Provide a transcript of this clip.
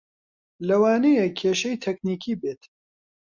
لەوانەیە کێشەی تەکنیکی بێت